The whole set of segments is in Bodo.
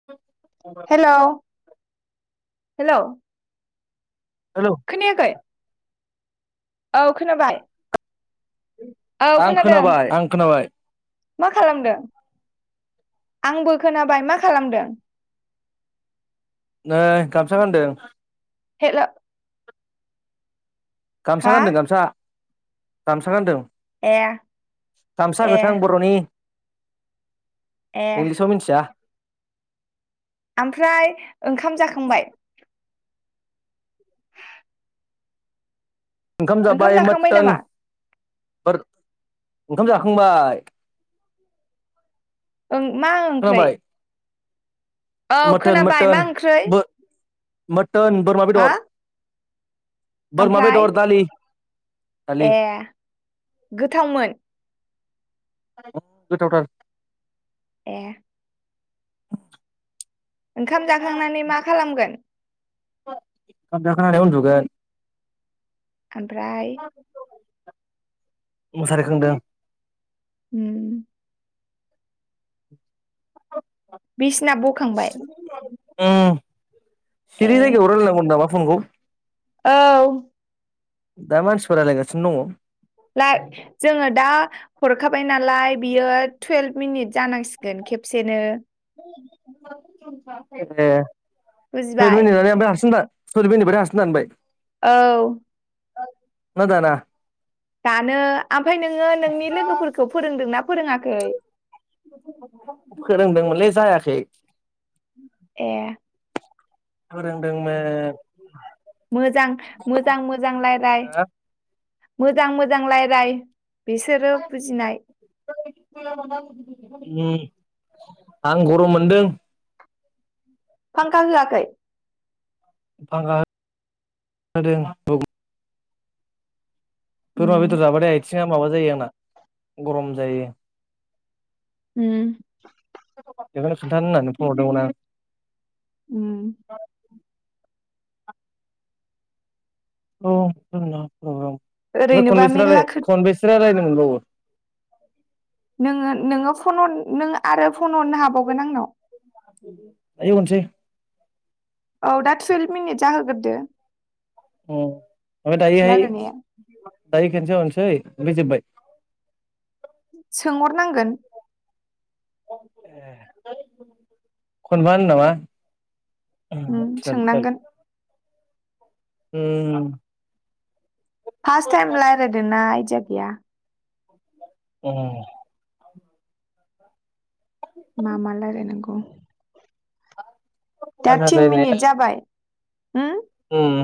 [unintelligible] हेलौ हेलौ हेलौ खोनायाखै? औ खोनाबाय। औ आं खोनादों खोनाबाय आं खोनाबाय। मा खालामदों? आंबो खोनाबाय मा खालामदों? नै गामसा गानदों। हेलो गामसा हा गानदों गामसा गामसा गानदों। ए गामसा ए गोथां बरनि। ए इंग्लिसाव मिनथिया। आमफ्राय ओंखाम जाखांबाय? ओंखाम जाबाय जाखांबाय मोटोन नामा ओंखाम जाखांबाय। ओं मा ओंख्रै? खोनाबाय औ मोटोन खोनाबाय मा मोटोन ओंख्रै बो मोटोन बोरमा हा बेदर। बोरमा ओमफ्राय बेदर दालि। दालि ए गोथावमोन? अ गोथावथार। ए ओंखाम जाखांनानै मा खालामगोन? ओंखाम जाखांनानै उन्दुगोन ओमफ्राय मुसारि खोंदों। ओम बिसिना बखांबाय? ओम ए सिरि जायगायाव रायलायनांगौ होनदों नामा फनखौ? औ दा मानसिफोर रायालायगासिनो दंङ। लाइ जोंङो दा हरखाबाय नालाय बियो टुवेल्भ मिनिट जानांसिगोन खेबसेनो। ए टुएलट' मिनिनानै बुजिबाय ओमफ्राय हारसिंदां [unintelligible] औ! ना दाना? दानो ओमफाय नोङो नोंनि लोगोफोरखौ फोरोंदोंना फोरोङाखै? फोरोंदोंमोनलै जायाखै। ए फोरोंदोंमोन। मोजां मोजां मोजां रायलाय मोजां मोजां रायलाय। बिसोरो बुजिनाय। ओम आं गरम मोनदों। फांखा होआखै? फांखा होदों। बोरमा उम बेदर जाबाथाय आथिङा माबा जायो आंना गरम जायो। ओम बेखौनो खोन्थानो होननानै फन हरदोंमोन आं। उम औ ओमफ्राय ओरैनोबा खनबोसे मेरला खो खनबेसे रायनो मोनबावो? नोंङो नोंङो फन हरों आरो फन हरनो हाबावगोन आंनाव। दायो हरसै। औ दा टुवेल्भ मिनिट जाहोगोरदो। ओमफ्राय दायोहाय रायलायनाया दायो खनसेहरसै ओफाय जोबबाय? सोंहरनांगोन। ए खनबा होनदों नामा? उम [unintelligible] सोंनांगोन ओम फास टाइम रायलायदोंना आइदिया गैया। ओम मा मा रायलायनोंगौ। दा थिन मिनिट रायलायनाया जाबाय होम? उम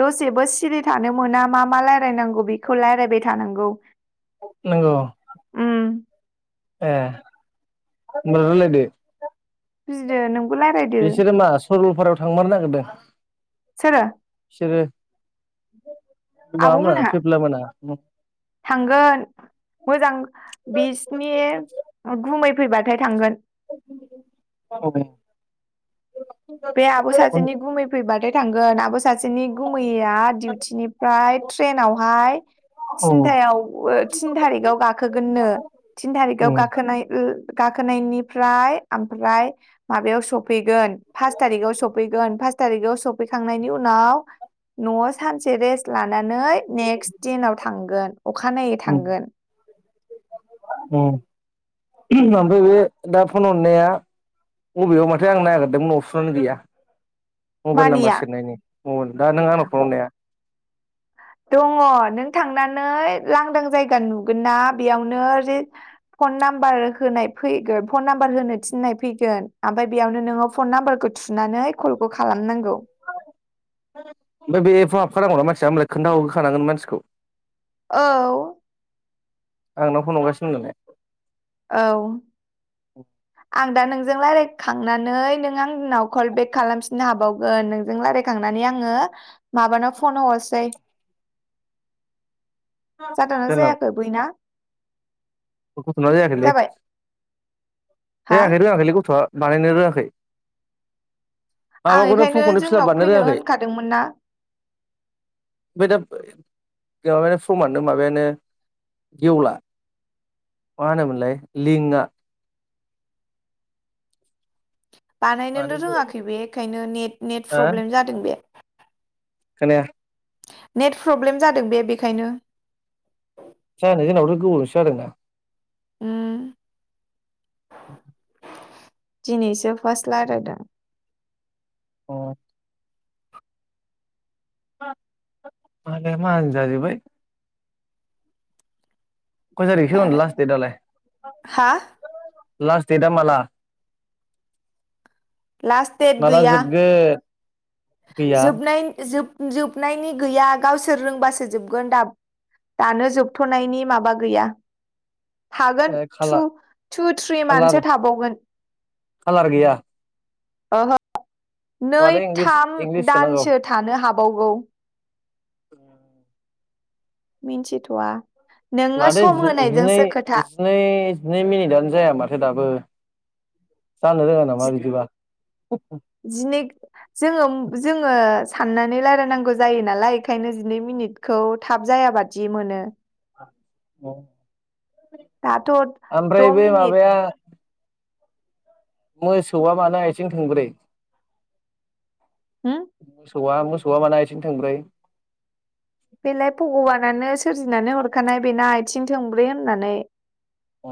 दसेबो सिरि थानो मोना मा मा रायज्लायनांगौ बेखौ रायज्लायबाय थानांगौ नंगौ उम ए होमबालाय रायज्लायदो बुजिदो नोंबो रायज्लायदो। बिसोरो मा सरलपारायाव थांमारनो नागिरदों। सोरो? बिसोरो माबा मोना आब'मोनहा फेफला मोना। थांगोन मोजां बिसनि गुमै फैबाथाय थांगोन। [unintelligible] बे आब' सासेनि गुमै फैबाथाय थांगोन आब' सा सासेनि गुमैैया डिउटिनिफ्राय ट्रेनावहाय थिनथायाव थिन थारिकआव गाखोगोननो थिन थारिखआव गाखोनाय ओ गाखोनायनिफ्राय ओमफ्राय माबायाव सफैगोन फास थारिखाव सफैगोन फास थारिकाव सफैखांनायनि उनाव न'आव सानसे रेस्ट लानानै नेक्स्ट दिनाव थांगोन अखानायै थांगोन। उम आमफाय बे दा फन हरनाया बबेयाव माथो आं नागिरदोंमोन अफसनानो गैया। मबेल नाम्बार मानिया सेरनायनि [unintelligible] दा नों आंनाव फन हरनाया दङ नों थांनानै लांदां जायगा नुगोनना बेयावनो रे फन नाम्बार होनाय फैगोन फन नाम्बार होनो थिननाय फै गोन आमफाय बेयावनो नोङो फन नाम्बारखौ थुनानै कलखौ खालामनांगौ। ओमफाय बे एफाव हाबखानांगौना मानसिया होमबालाय खोन्थाहरग्रोखानांगोन मानसिखौ। औ आंनाव‌ फन हरगासिनो [unintelligible] औ आं दा नोंजों रायज्लायखांनानै नों आंनाव कल बेेक खालामफिननो हाबावगोन नोंजों रायलाय खांनानै आङो माबानाव फन हरसै [inaudible] जादोंना जोंनाव जायाखै बैना? गथ'ना जायाखैलै जाबाय हा जायाखै रोङाखैलै गथ'आ बानायनो रोङाखै। आं माबाखौनो बेखायनो फर्मखौनो फिलाप जोंनाव बानायनो फैनो रोङाखै। होनखादोंमोन ना आमफाय दा माबायानो फ्रमानो माबायानो गेवला। मा होनोमोनलाय लिंकआ। मानो बानायनोनो गेवा रोङाखै बे बेखायनो नेट नेट हो प्रब्लेम जादों बे। खोनाया नेट प्रब्लेम जादों बे बेखायनो। जानो जोंनावबोथ' गोबावजोंसो जादों दा। उम [inaudible] दिनैसो फास्ट रायलायदों। अ मालाया माहाजोन जाजोबबाय। खय तारिखहै उन लाराय लास्ट डेत आलाय हा लास्ट डेट आ माला? लास्ट देट माला गैया जोबगोन गैया जोबनाय जोब जोबनायनि गैया गावसोर रोंबासो जोबगोन दाब दानो जोबथ'नायनि माबा गैया। थागोन ओ टु खालार टु थ्रि खालार मानसो थाबावगोन। खालार गैया? ओहो नै माथो इंलिस थाम इंलिस सोनांगौ दानसो थानो हाबावगौ। [inaudible] मिन्थिथ'वा नोङो माथो सम जि जिनै होनायजोंसो खोथा। जिनै जिनै मिनिटआनो जाया माथो दाबो। जानो रोङा नामा बिदिबा? [inaudible] जिनिग जोङो उम जोङो साननानै लायरायनांगौ जायो नालाय एखायनो जिनै मिनिट खौ थाब जायाबादि मोनो। दाथ' आमफ्राय द' बे मिनिट माबाया मोसौआ मानो आइथिं थोंब्रै? हो? मोसौआ मोसौआ मानो आइथिं थोंब्रै? बेलाय भगबानानो सोरजिनानै हरखानाय बेना आगथिं थोंब्रै होननानै। अ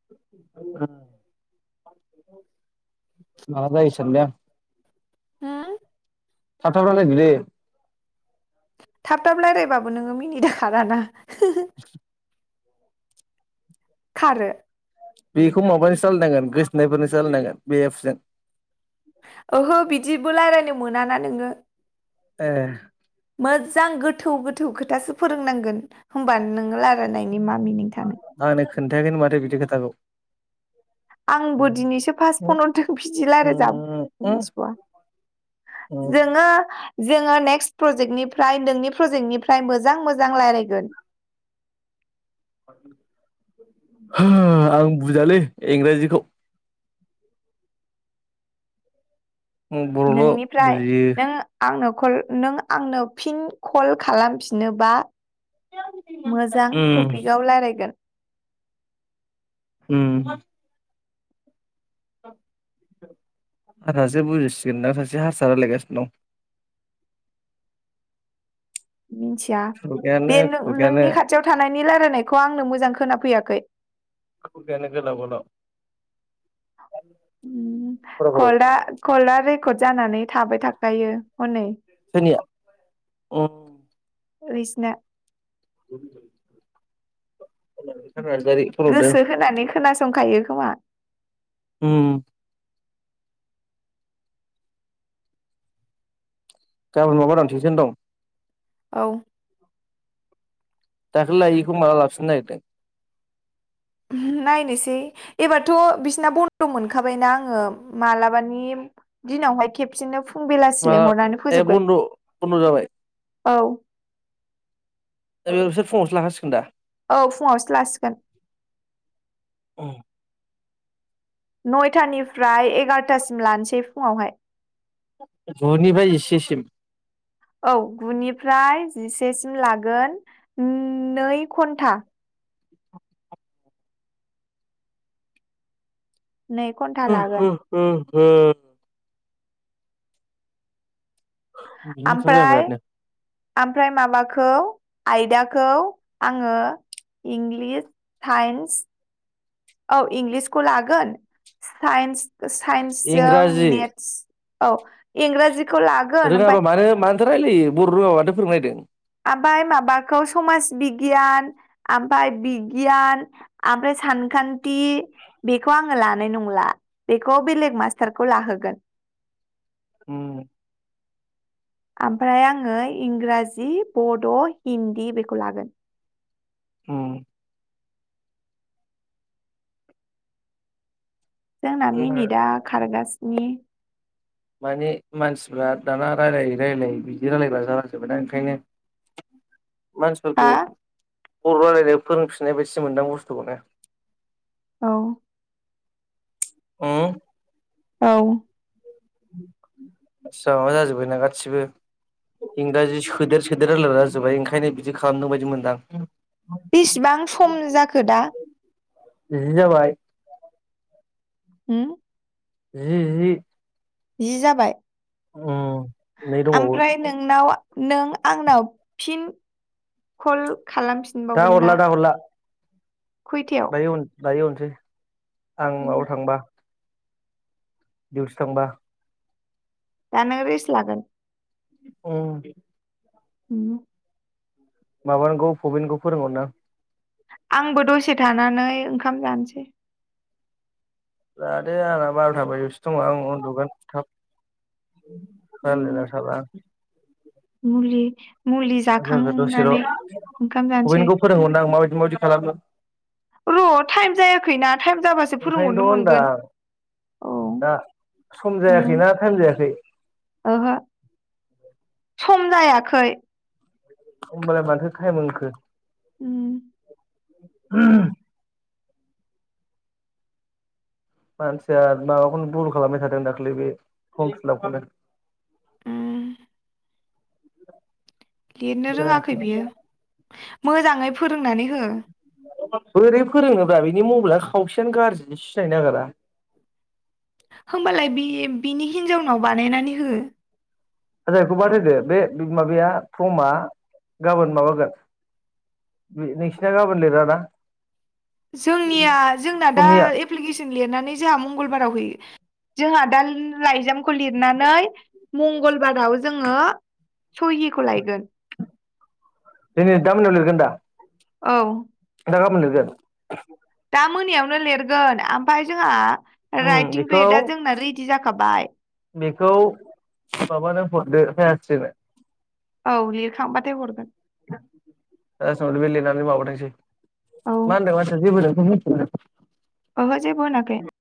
[unintelligible] माबा जायो सानबाय आं। हा? थाब थाब रायलायदो दे। थाब थाब लायरायबाबो नोङो मिनिदा खाराना। [inaudible] खारो बेखौ माबाजोंसो लायरायनांगोन गोसथोनायफोरनोसो लायरायनांगोन बे एब्सजों। ओहो बिदिबो लायरायनो मोनाना नोङो। ए मोजां गोथौ गोथौ खोथासो फोरोंनांगोन। होमबानो नोङो लायरायनायनि मा मिनिं थानो। आंनो खोन्थायाखैनो माथो बिदि खोथाखौ। आंबो दिनैसो फास्ट फनहरदों बिदि लायराय जा [unintelligible] मिनथिबावा। जोङो जोङो नेक्स्ट प्रजेक्टनिफ्राय नोंनि प्रजेक्टनिफ्राय मोजां मोजां लायरायगोन। हो आं बुजियालै इंराजिखौ। बर'ल' नोंनिफ्राय बुजियो नोङो आंनो कल नों आंनो फिन कल खालामफिनोबा मोजां उम टपिकआव लायरायगोन। उम [inaudible] हारसासो बुजिसिगोन दां सासे हारसा लायरायगासिनो दं। मिनथिया दं बे खुगायानो खुगायानो नों-नोंनि खाथियाव थानायनि लायरायनायखौ आंनो मोजां खोनाफैयाखै। खुगायानो गोलाव गोलाव। उम खर' खर' कलदा कलदा रेकर्ड जानानै थाबाय थाखायो हनै। [unintelligible] ओइसना [inaudible] नार्जारि फरायदों गोसो होनानै खोनासंखायो खोमा? उम गाबोन माबा दं थिउसन दं? औ दाखालै लायिखौ माला लाफिननो नागिरदों? नायनोसै एबारथ' बिसिना बन्द' मोनखाबायना आङो मालाबानि दिनावहाय खेबसेनो फुं बेलासि माला लेंहरनानै ए फोजोबगोन बन्द' बन्द' जाबाय औ। ए बेसोर फुावसो लाखासिगोन दा? औ फुङावसो लासिगोन नयथानिफ्राय एगार'थासिम लानोसै फुङावहाय। गु'निफ्राय जिसेसिम। औ गुनिफ्राय जिसेसिम लागोन नै घन्टा। नै घन्था ह ह ह ओंखारबाय आं आमफ्राय बिरादनो ओमफ्राय माबाखौ आयदाखौ आङो इंग्लिस, साइन्स औ इंलिसखौ लागोनस सायनस -सायनस जों इंराजि मेतस औ इंराजिखौ ला रोङाबा मानो मानोथो रायजलायो बर' रोङाबा मानथो फोरोंनायदों। ओमफ्राय माबाखौ समाज बिगियान ओमफ्राय बिगियान ओमफ्राय सानखान्थि बेखौ आङो लानाय नंला बेखौ बेलेग मास्टारखौ लाहोगोन उम ओमफ्राय आङो इंराजि, बड', हिन्दी बेखौ लागोन। उम जोंना मिनिट दा खारगासिनो माने मानसिफ्रा दाना रायजलायै रायजलायै बिदि रायलायग्रा जालां जोबबाय ना ओंखायनो मानसिफोरखौ हा बर' रायलायनो फोरोंफिननाय बायदि मोनदां बुस्थुखौनो औ ओ औ मानसिफ्रा माबा जाजोबबायना गासिबो इंराजि सोदेर -सोदेर रायलायग्रा जाजोब्बाय ओंखायनो बिदि खालामदों बायदि मोनदां। बेसिबां सम जाखो दा? जि जाबाय। हम जि जि। जि जाबाय उम नै दंबावो आमफ्राय नोंनाव नों आंनाव फिन कल खालामफिन दा हरला दा हरला। खैथायाव? दायो- दायो होरनोसै उम, आंमाबआव थांबा। दिवथि थांबा। दा नों रेस लागोन अम उम माबानांगौ पबिनखौ फोरोंहरनां। आंबो दसे थानानै ओंखाम जानोसै। जादो आरो बारोता बाजियावसो दङ आं उन्दुगोन थाब उम, [inaudible] मुलि मुलि जोंखौ दसेल' जाखांनानै ओंखाम जानोसै। पबिनखौ फोरोंहरनां माबायदि माबायदि खालामो र' थाइम जायाखैना थाइम जाबासो ओंखायनोथ' फोरोंहरनो होनदां मोनगोन। औ दा सम उम, जायाखैना टाइम जायाखै। ओहो। सम जायाखै। ओमबालाय माथो टाइम होनखो। उम। मानसिया माबाखौनो भुल खालामनाय थादों दाखालि बे फर्म फिलापखौनो। उम, [unintelligible] लिरनो रोङाखै जायाखै बियो मोजाङै फोरोंनानै हो। बोरै फोरोङोबा् बिनि मबाइलानो खावसेयानो गाज्रि सिनायनो नागिरा। होमबालाय बि बिनि हिनजावनाव बानायनानै हो। [inaudible] बाद होदो बे माबाया फ्रमा गाबोनो माबागोन। नों नोंसिना गाबोन लिरा ना जोंनिया जोंना दा समनिया एब एप्लिकिसन लिरनानै जोंहा मंगलबाराव हैयो जोंहा दा लाइजामखौ लिरनानै। मंगलबाराव जोङो। सहिखौ लायगोन दिनै दा मोनायाव लिरगोन दा औ। [inaudible] गाबोन लिरगोन। दा मोनायावनो लिरगोन आमफाय जोंहा उम राइटिं बेखौ बेदआ जोंना रेडि जाखाबाय। बेखौ माबानो हरदो बायाति्नो औ लिरखांबाथाय हरगोन। लासावनो बे लिरनानै माबाथोंसै औ मा होनदों मा होनदों जेबो नों निखौ मिथि ओहो जेबो होनाखै।